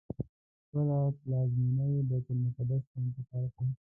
خپله پلازمینه یې بیت المقدس ته انتقال کړه.